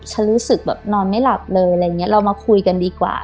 รู้สึกแบบนอนไม่หลับเลยอะไรอย่างนี้เรามาคุยกันดีกว่า